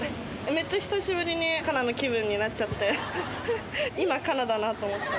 めっちゃ久しぶりにカナの気分になっちゃって、今、カナだなと思って。